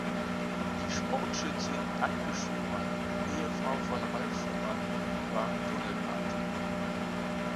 Die Sportschützin Anke Schumann, Ehefrau von Ralf Schumann, war Tunnelpatin.